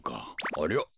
ありゃ。